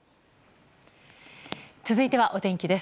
続いてはお天気です。